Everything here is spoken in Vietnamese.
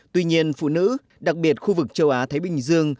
tuy nhiên phụ nữ đặc biệt khu vực châu á thái bình dương